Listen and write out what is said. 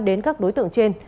đến các đối tượng trên